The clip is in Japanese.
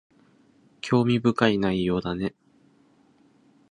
興味深い内容だね